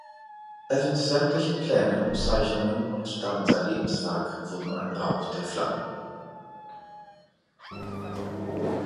Evans’ sämtliche Pläne und Zeichnungen und damit sein Lebenswerk wurden ein Raub der Flammen.